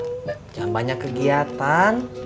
jangan banyak kegiatan